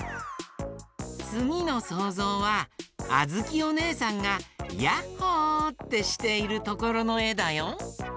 つぎのそうぞうはあづきおねえさんが「やっほ！」ってしているところのえだよ。